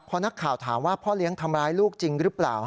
พอนักข่าวถามว่าพ่อเลี้ยงทำร้ายลูกจริงหรือเปล่า